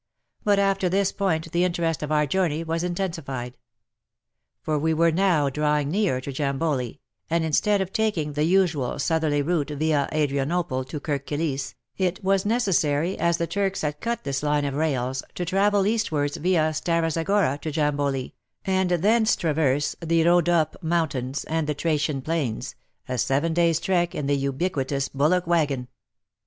But after this point the interest of our journey was intensified. For we were now drawing near to Jamboli, and, instead of taking the usual southerly route via Adrianople to Kirk Kilisse, it was necessary, as the Turks had cut this line of rails, to travel eastwards via Stara Zagora to Jamboli, and thence traverse the Rhodope mountains and the Thracian plains, a seven days' trek in the ubiquitous bullock waggon.